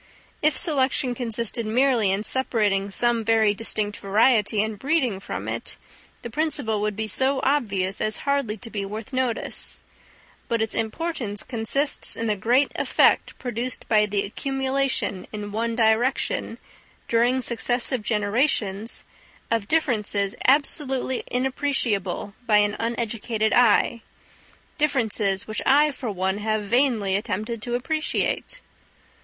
If selection consisted merely in separating some very distinct variety and breeding from it, the principle would be so obvious as hardly to be worth notice; but its importance consists in the great effect produced by the accumulation in one direction, during successive generations, of differences absolutely inappreciable by an uneducated eye—differences which I for one have vainly attempted to appreciate.